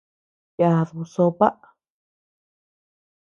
Yaduu sopa.